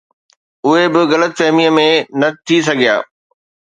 اهي به غلط فهميءَ ۾ نه ٿي سگهيا